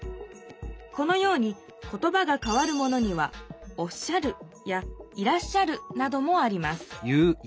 このように言ばがかわるものには「おっしゃる」や「いらっしゃる」などもあります。